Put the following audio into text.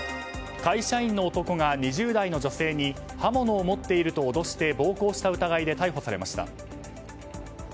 会社員の男が２０代の女性に刃物を持っていると脅して暴行した疑いで逮捕されました。